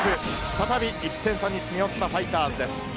再び１点差に詰め寄ったファイターズです。